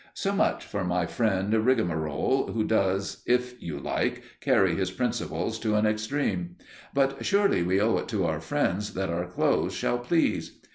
So much for my friend Rigamarole, who does, if you like, carry his principles to an extreme; but surely we owe it to our friends that our clothes shall please.